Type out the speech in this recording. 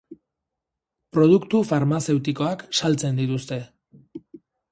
Produktu farmazeutikoak saltzen dituzte.